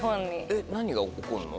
えっ何が起こるの？